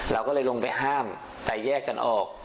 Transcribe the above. เราก็เลยลงไปห้ามแต่แยกกันออก